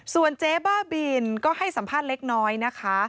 ส่วนเจ๊บ้าบินก็ให้สัมภาษณ์เล็กน้อยนะคะ